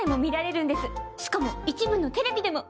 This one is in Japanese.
しかも一部のテレビでも。